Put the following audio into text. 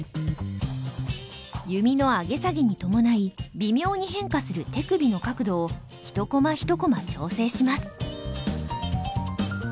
弓の上げ下げに伴い微妙に変化する手首の角度を１コマ１コマ調整します。